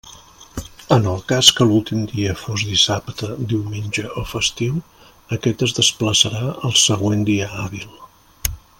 En el cas que l'últim dia fos dissabte, diumenge o festiu, aquest es desplaçarà al següent dia hàbil.